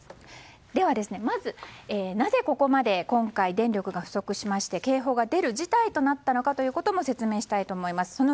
では、なぜここまで今回電力が不足しまして警報が出る事態となったのか説明したいと思います。